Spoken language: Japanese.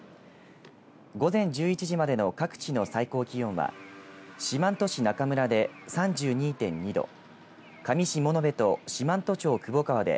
午前１１時までの各地の最高気温は四万十市中村で３２．２度香美市物部と四万十町窪川で